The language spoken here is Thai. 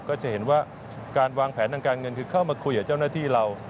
ก็จะเห็นว่าการวางแผนทางการเงินคือเข้ามาคุยกับเจ้าหน้าที่เรา